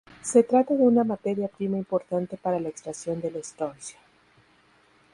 Se trata de una materia prima importante para la extracción del estroncio.